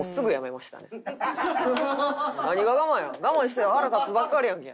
我慢したら腹立つばっかりやんけ！